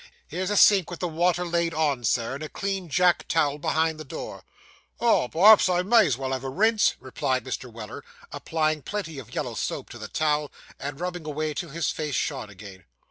Here's a sink, with the water laid on, Sir, and a clean jack towel behind the door.' 'Ah! perhaps I may as well have a rinse,' replied Mr. Weller, applying plenty of yellow soap to the towel, and rubbing away till his face shone again.